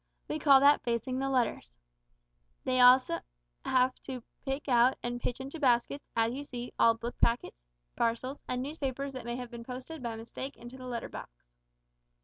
We call that facing the letters. They have also to pick out and pitch into baskets, as you see, all book packets, parcels, and newspapers that may have been posted by mistake in the letter box."